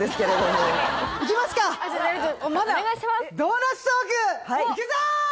ドーナツトークいくぞー！